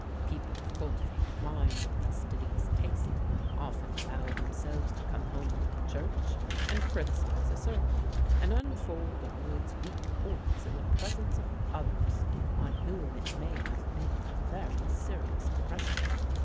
People of cultivated minds and fastidious taste often allow themselves to come home from church, and criticize a sermon, and unfold all its weak points in the presence of others on whom it may have made a very serious impression.